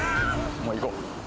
もういこう